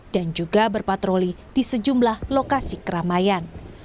dan juga berpatroli di sejumlah lokasi keramaian